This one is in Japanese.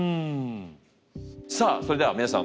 さあそれでは皆さん。